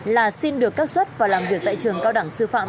là xin được cắt xuất và làm việc tại trường cao đẳng sư phạm